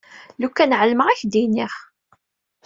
Lukan ɛelmeɣ ad k-d-iniɣ.